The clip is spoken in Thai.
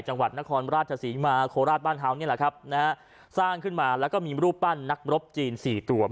จังหวัดนครราชศรีมาโคราชบ้านเท้านี่แหละครับนะฮะสร้างขึ้นมาแล้วก็มีรูปปั้นนักรบจีนสี่ตัว